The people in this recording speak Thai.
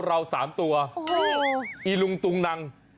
เกิดอะไรขึ้นน่ะ